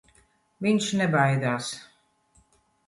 Viņš nebaidās.